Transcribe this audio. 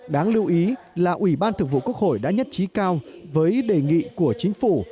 đáng lưu ý là ubthqh đã nhất trí cao với đề nghị của chính phủ